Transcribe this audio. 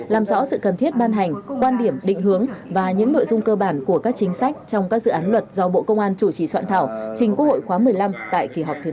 làm rõ sự cần thiết ban hành quan điểm định hướng và những nội dung cơ bản của các chính sách trong các dự án luật do bộ công an chủ trì soạn thảo trình quốc hội khóa một mươi năm tại kỳ họp thứ tám